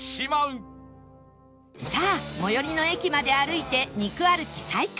さあ最寄りの駅まで歩いて肉歩き再開